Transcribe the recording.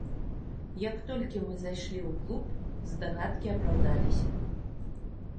Як толькі мы зайшлі ў клуб, здагадкі апраўдаліся.